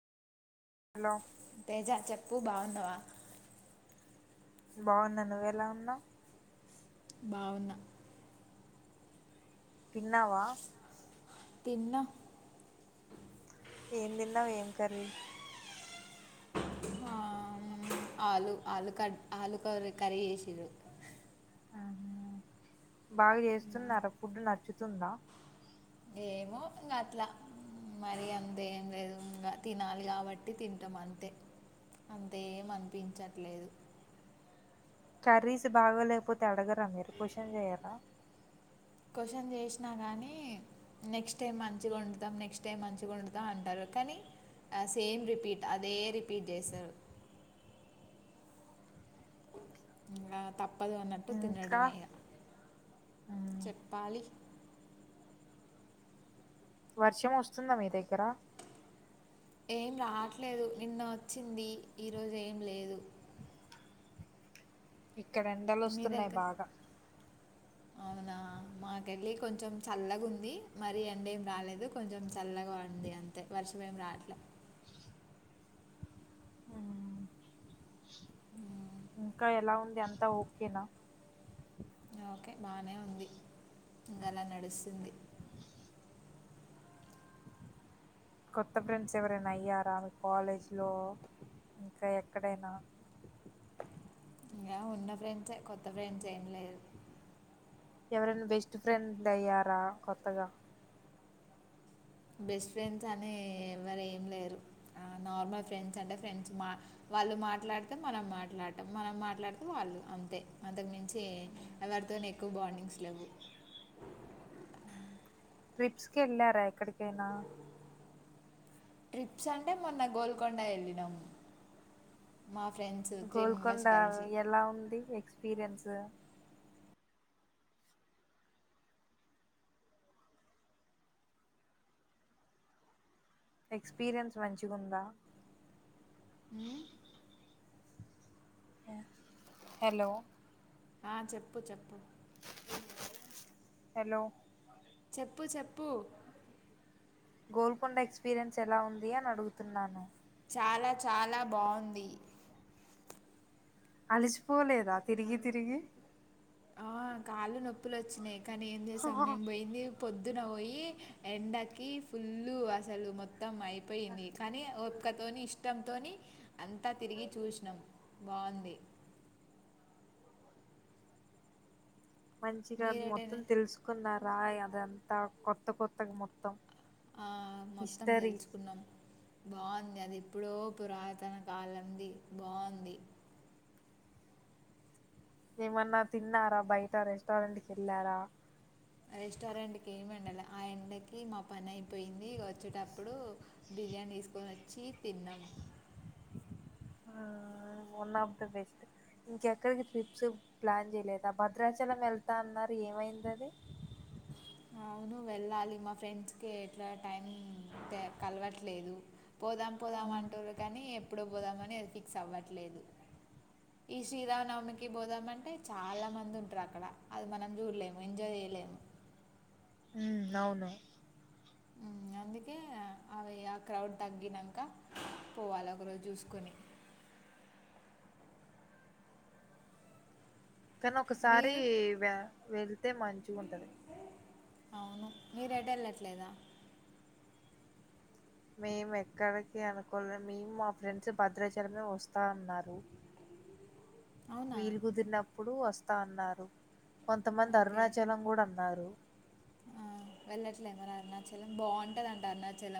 Hello Teja చెప్పు బావున్నవా? బావున్నా నువ్వు ఎలా ఉన్నావు? బావున్న తిన్నావా తిన్నా ఏం తిన్నావు? ఏం కర్రీ? ఆ ఆలు ఆలు కర్రీ ఆలు కర్ర కర్రీ చేసిర్రు బాగ చేస్తున్నారా? ఫుడ్ నచ్చుతుందా? ఏమో ఇంక అట్లా మరి అంతేం లేదు ఇంక తినాలి. కాబట్టి తింటాం. అంతే అంత ఏమీ అనిపించట్లేదు. కర్రీస్ బాగోలేకపోతే అడగరా మీరు క్వశ్చన్ చెయ్యరా? క్వశ్చన్ చేసినా కానీ నెక్స్ట్ టైం మంచిగ వండుతం. నెక్స్ట్ టైం మంచిగా వండుతాం అంటారు. కానీ సేమ్ రిపీట్ అదే రిపీట్ చేసరు. ఆ తప్ పదు అన్నట్టు ఇంకా తినడమే ఇగ చెప్పాలి వర్షం వస్తుందా మీ దగ్గర ఏం రాట్లేదు నిన్న వచ్చింది ఈరోజు ఏం లేదు. ఇక్కడ ఎండలు మీ వస్తున్నాయి దగ్గర బాగా అవునా మాకళ్ళి కొంచెం చల్లగ ఉంది మరి ఎండ ఏం రాలేదు. కొంచెం చల్లగా ఉంది. అంతే వర్షం ఏం రాట్లే. ఇంకా ఎలా ఉంది అంతా ఓకేనా ఓకే బానే ఉంది. ఇంక అలా నడుస్తుంది కొత్త ఫ్రెండ్స్ ఎవరైనా అయ్యారా? మీ కాలేజ్లో ఇంకా ఎక్కడైనా ఇంకా ఉన్న ఫ్రెండ్సే కొత్త ఫ్రెండ్స్ ఏం లేదు ఎవరైనా బెస్ట్ ఫ్రెండ్ అయ్యారా కొత్తగా బెస్ట్ ఫ్రెండ్స్ అని ఎవరు ఏం లేరు నార్మల్ ఫ్రెండ్స్ అంటే ఫ్రెండ్స్ మా వాళ్ళు మాట్లాడితే మనం మాట్లాడటం మనం మాట్లాడితే వాళ్ళు అంతే అంతకు మించి తే ఎవరితోనూ ఎక్కువ బార్డింగ్స్ లేవు ట్రిప్స్కి వెళ్ళారా ఎక్కడికైనా ట్రిప్స్ అంటే మొన్న గోల్కొండ వెళ్ళినాము గోల్కొండ ఎలా ఉంది ఎక్స్పీరియన్స్ ఎక్స్పీరియన్స్ మంచిగుందా మ్ హలో ఆ చెప్పు చెప్పు హలో చెప్పు చెప్పు గోల్కొండ ఎక్స్పీరియన్స్ ఎలా ఉంది అని అడుగుతున్నాను చాలా చాలా బాగుంది అలిసిపోలేదా తిరిగి తిరిగి ఆ కాళ్ళు నొప్పులు వచ్చినాయి కానీ ఏం చేసంమేం పోయింది పొద్దు పొద్దున పోయి ఎండకి ఫుల్లు అసలు మొత్తం ఇం అయిపోయింది కానీ ఒపికతోని ఇష్టం ధోని అంతా తిరిగి చూసినం బావుంది. మంచిగా మీరేటైనా మొత్తం తెలుసుకున్నా రయ్ అద ఎంతా కొత్త కొత్తగ మొత్తం ఆ మొత్తం హిస్టరీ తెలుసుకున్నాం బాం అది ఎప్పుడో పురాతన కాలంది బాగుంది ఏమన్నా తిన్నారా? బయట రెస్టారెంట్ కి వెళ్ళారా? రెస్టారెంట్కి ఏమెళ్ళల ఆ ఎండకి మా పని అయిపోయింది. ఇగ వచ్చేటప్పుడు బిర్యాని తీసుకోని వచ్చి తిన్నాం. వన్ ఆఫ్ ది బెస్ట్ ఇంకెక్కడికి ట్రిప్స్ ప్లాన్ చేయలేదా? భద్రాచలం వెళ్తా అన్నారు ఏమైంది అది అవును వెళ్ళాలి మా ఫ్రెండ్స్కి ఎట్లా టైం కె కలవట్లేదు పోదాం పోదాం ఉమ్ అంటారు కానీ ఎప్పుడు పోదామని అది ఫిక్స్ అవ్వట్లేదు. ఈ శ్రీరామనవమికి పోదామంటే చాలా మంది ఉంటరు అక్కడ. అది మనం చూడలేము. ఎంజాయ్ చేయలేము. హ్మ్ అవును అందుకే అవి ఆ క్రౌడ్ తగ్గినాక పోవాలి ఒకరోజు చూసుకొని కానీ ఒకసారి మీరు వె వెళ్తే మంచిగుంటది. అవును మీరెటు వెళ్ళట్లేదా? మేము ఎక్కడికి అనుకోలే మేము మా ఫ్రెండ్స్ భద్రాచలమే వస్తా అన్నారు. అవునా వీలు కుదిరినప్పు ప్పుడు వస్తా అన్నారు. కొంతమంది ఓకే అరుణాచలం కూడా అన్నారు. ఆ వెళ్ళట్లే మరి అరుణాచలం బావుంటదంట అరుణాచలం